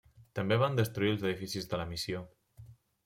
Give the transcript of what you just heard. També van destruir els edificis de la missió.